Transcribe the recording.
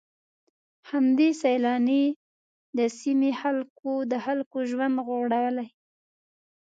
همدې سيلانۍ د سيمې د خلکو ژوند غوړولی.